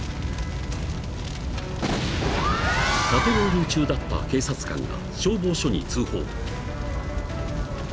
［パトロール中だった警察官が消防署に通報］